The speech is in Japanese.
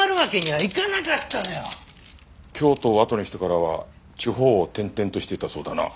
京都をあとにしてからは地方を転々としていたそうだな。